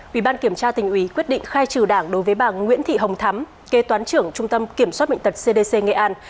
ubktq quyết định khai trừ đảng đối với bà nguyễn thị hồng thắm kê toán trưởng trung tâm kiểm soát mệnh tật cdc nghệ an